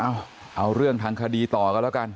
เอาเอาเรื่องทางคดีต่อกันแล้วกัน